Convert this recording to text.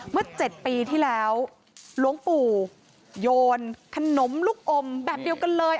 เมื่อ๗ปีที่แล้วหลวงปู่โยนขนมลูกอมแบบเดียวกันเลย